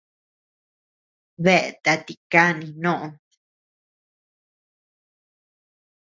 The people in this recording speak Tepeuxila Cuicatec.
Dea tati kani nod.